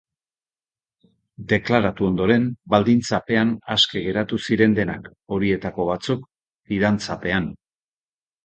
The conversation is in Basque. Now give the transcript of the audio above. Deklaratu ondoren, baldintzapean aske geratu ziren denak, horietako batzuk, fidantzapean.